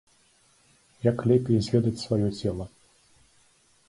Як лепей зведаць сваё цела?